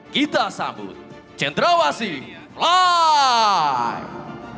kita sambut cendra wasi flight